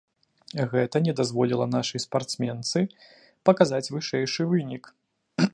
Гэта не дазволіла нашай спартсменцы паказаць вышэйшы вынік.